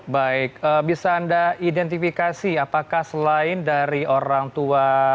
baik bisa anda identifikasi apakah sejauh ini delapan orang yang dikabarkan meninggal dunia demikian verano